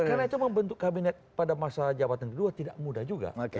karena itu membentuk kabinet pada masa jabatan kedua tidak mudah juga